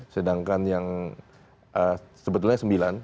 sedangkan yang sebetulnya sembilan